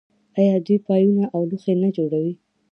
آیا دوی پایپونه او لوښي نه جوړوي؟